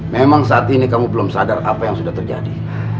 memang saat ini kami belum sadar apa yang sudah terjadi